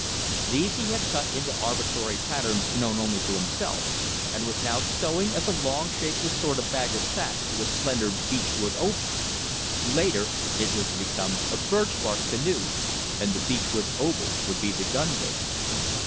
These he had cut into arbitrary patterns known only to himself, and was now sewing as a long shapeless sort of bag or sac to a slender beech wood oval. Later it was to become a birch bark canoe, and the beech wood oval would be the gunwale.